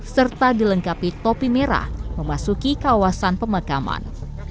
serta dilengkapi topi merah memasuki kawasan pemakaman